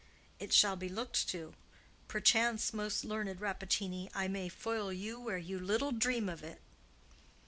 It shall be looked to. Perchance, most learned Rappaccini, I may foil you where you little dream of it!"